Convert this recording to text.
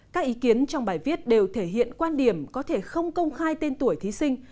các ý kiến trong bài viết đều thể hiện quan điểm có thể không công khai tên tuổi thí sinh